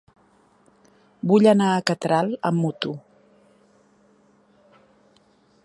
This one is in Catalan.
Vull anar a Catral amb moto.